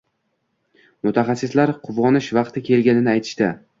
Mutaxassislar quvonish vaqti kelganini aytishdi